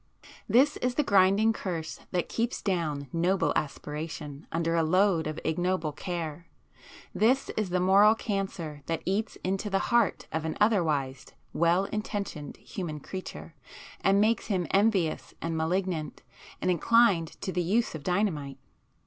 This is the grinding curse that keeps down noble aspiration under a load of ignoble care; this is the moral cancer that eats into the heart of an otherwise well intentioned human creature and makes him envious and malignant, and inclined to the use of dynamite.